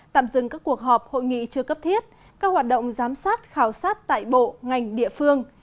tạm dừng các cuộc họp hội nghị chưa cấp thiết các hoạt động giám sát khảo sát tại bộ ngành địa phương